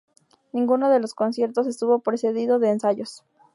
Ninguno de los conciertos estuvo precedido de ensayos.